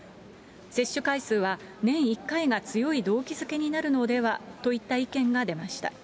接種回数は年１回が強い動機付けになるのではといった意見が出ました。